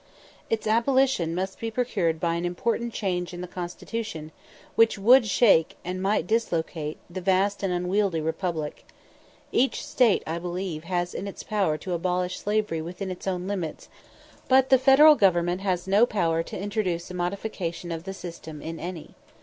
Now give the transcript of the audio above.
Its abolition must be procured by an important change in the constitution, which would shake, and might dislocate, the vast and unwieldy Republic. Each State, I believe, has it in its power to abolish slavery within its own limits, but the Federal Government has no power to introduce a modification of the system in any.